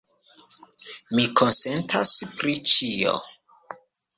Mi konsentas pri ĉio.